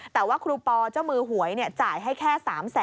แต่ว่าครูปอเจ้ามือหวยจ่ายให้แค่๓๐๐๐